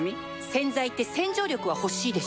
洗剤って洗浄力は欲しいでしょ